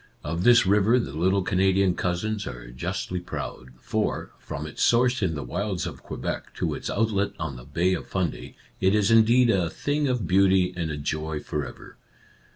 Of this river the little Canadian Cousins are justly proud, for, from its source in the wilds of Quebec to its outlet on the Bay of Fundy, it is indeed " a thing of beauty and a joy for ever.''